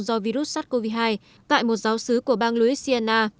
do virus sars cov hai tại một giáo sứ của bang louisiana